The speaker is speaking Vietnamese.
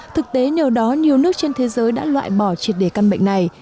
thực tế nhờ đó nhiều nước trên thế giới đã loại bỏ triệt đề căn bệnh này